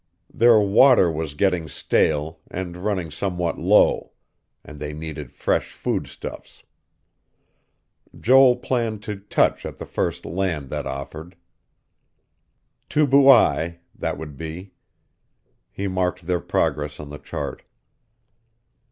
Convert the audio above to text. Their water was getting stale, and running somewhat low; and they needed fresh foodstuffs. Joel planned to touch at the first land that offered. Tubuai, that would be. He marked their progress on the chart.